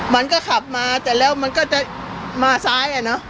มันก็ขับมาแต่แล้วมันก็จะมาซ้ายอ่ะเนอะ